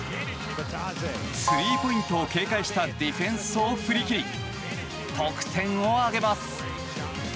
スリーポイントを警戒したディフェンスを振り切り得点を挙げます。